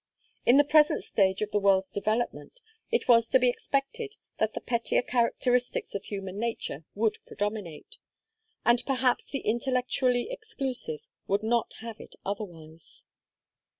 In the present stage of the world's development it was to be expected that the pettier characteristics of human nature would predominate; and perhaps the intellectually exclusive would not have it otherwise.